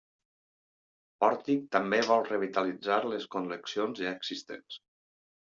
Pòrtic també vol revitalitzar les col·leccions ja existents.